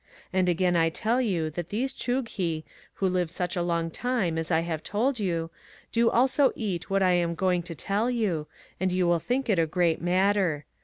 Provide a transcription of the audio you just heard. And again I tell you that these Chughi who live such a long time as I have told you, do also eat what I am going to tell you, and you will think it a great matter.